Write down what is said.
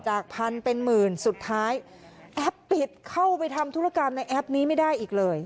พันเป็นหมื่นสุดท้ายแอปปิดเข้าไปทำธุรกรรมในแอปนี้ไม่ได้อีกเลย